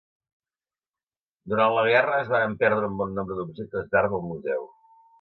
Durant la guerra es varen perdre un bon nombre d'objectes d'art del museu.